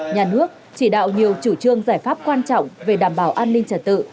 nhà nước chỉ đạo nhiều chủ trương giải pháp quan trọng về đảm bảo an ninh trật tự